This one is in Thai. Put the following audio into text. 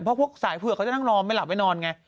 เพราะพวกสายเผือกเขาจะนั่งนอนไม่หลับไม่นอนไง